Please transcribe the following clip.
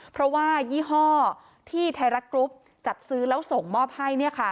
เพราะว่ายี่ห้อที่ไทยรัฐกรุ๊ปจัดซื้อแล้วส่งมอบให้